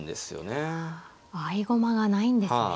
合駒がないんですね。